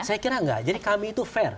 saya kira enggak jadi kami itu fair